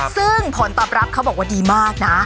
ซึ่งผลตอบรับเขาบอกว่าดีมากนะ